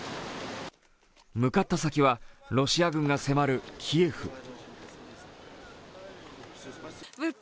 向かった先はロシア軍が迫るキエフ。